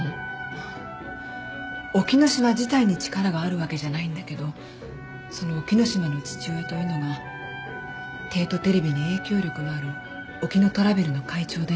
沖野島自体に力があるわけじゃないんだけどその沖野島の父親というのが帝都テレビに影響力のあるオキノトラベルの会長で。